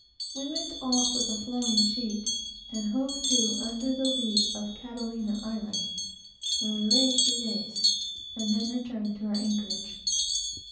We went off with a flowing sheet, and hove to under the lee of Catalina island, where we lay three days, and then returned to our anchorage.